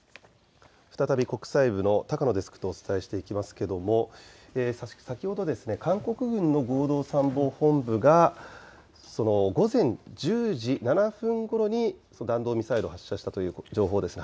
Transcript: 再び国際部の高野デスクとお伝えしていきますけども先ほど韓国軍の合同参謀本部が午前１０時７分ごろに弾道ミサイルを発射したという情報ですね。